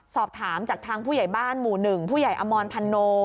สอบถามจากทางผู้ใหญ่บ้านหมู่๑ผู้ใหญ่อมรพันโน